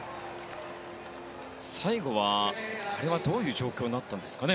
最後はどういう状況だったんですかね。